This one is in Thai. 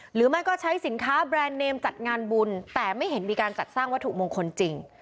หรือไม่ก็ใช้สินค้าแบรนด์เนมจัดงานบุญแต่ไม่เห็นมีการจัดสร้างวัตถุมงคลจริง